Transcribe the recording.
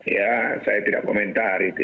ya saya tidak komentar hari itu